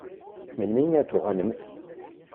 Melmi ad d-tuɣalemt?